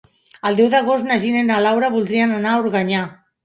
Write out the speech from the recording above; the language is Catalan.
El deu d'agost na Gina i na Laura voldrien anar a Organyà.